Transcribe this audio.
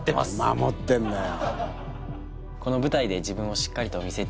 守ってんだよ。